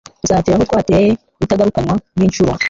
Rusatira aho twateye, rutagarukanwa n'inshuro.